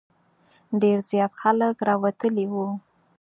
ډېر زیات خلک راوتلي وو.